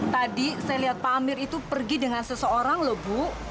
tadi saya lihat pak amir itu pergi dengan seseorang loh bu